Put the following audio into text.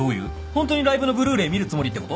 ホントにライブの Ｂｌｕ−ｒａｙ 見るつもりってこと？